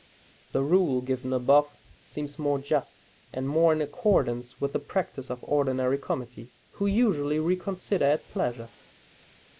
The rule given above seems more just, and more in accordance with the practice of ordinary committees, who usually reconsider at pleasure.